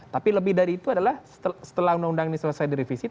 tapi lebih dari itu adalah setelah undang undang ini selesai direvisi